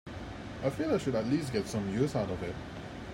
I feel I should at least get some use out of it.